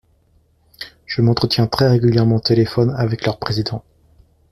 Je m’entretiens très régulièrement au téléphone avec leurs présidents.